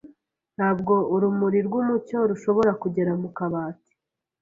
Ntabwo urumuri rwumucyo rushobora kugera mu kabati.